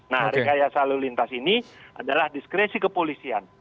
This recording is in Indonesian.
nah rekayasa lalu lintas ini adalah diskresi kepolisian